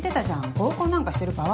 合コンなんかしてる場合？